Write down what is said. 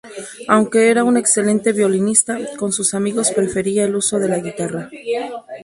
Aunque era un excelente violinista, con sus amigos prefería el uso de la guitarra.